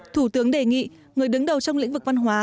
thủ tướng đề nghị người đứng đầu trong lĩnh vực văn hóa